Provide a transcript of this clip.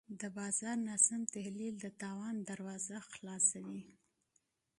د بازار ناسم تحلیل د تاوان دروازه پرانیزي.